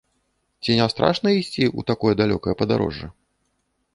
Ці не страшна ісці ў такое далёкае падарожжа?